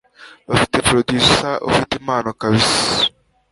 Bafite producer ufite impano kabisa